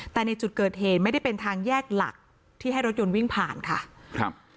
แต่ในจุดเกิดเหตุไม่ได้เป็นทางแยกหลักที่ให้รถยนต์วิ่งผ่านค่ะครับ